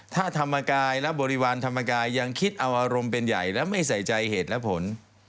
ถ้าธรรมกายและบริวารธรรมกายยังคิดเอาอารมณ์เป็นใหญ่และไม่ใส่ใจเหตุและผล